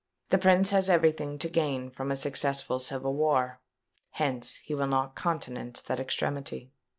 The Prince has every thing to gain from a successful civil war: hence he will not countenance that extremity."